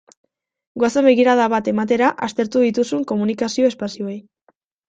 Goazen begirada bat ematera aztertu dituzun komunikazio espazioei.